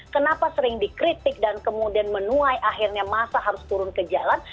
kenapa sering dikritik dan kemudian menuai akhirnya massa harus turun ke jalan